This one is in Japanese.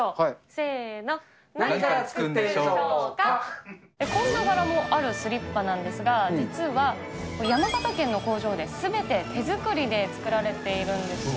せーの、こんな柄もあるスリッパなんですが、実は、山形県の工場ですべて手作りで作られているんです。